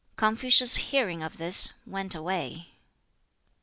Confucius, hearing of this, went away.